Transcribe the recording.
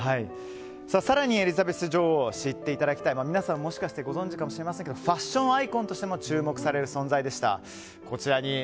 更に、エリザベス女王を知っていただきたい皆さん、もしかしたらご存じかもしれませんがファッションアイコンとしても注目される存在でした。